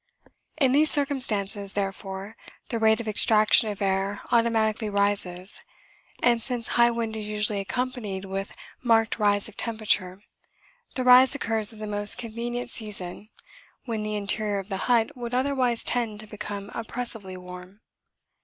In these circumstances, therefore, the rate of extraction of air automatically rises, and since high wind is usually accompanied with marked rise of temperature, the rise occurs at the most convenient season, when the interior of the hut would otherwise tend to become oppressively warm.